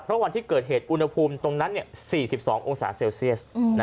เพราะวันที่เกิดเหตุอุณหภูมิตรงนั้น๔๒องศาเซลเซียส